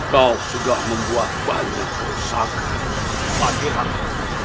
kau sudah membuat banyak kerusakan di pantiraka